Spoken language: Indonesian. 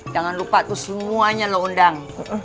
jangan lupa tuh semuanya lo undang